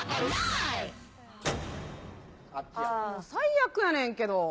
もう最悪やねんけど。